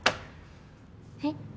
えっ。